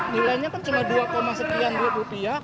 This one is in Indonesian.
nilainya kan cuma dua sekian dua rupiah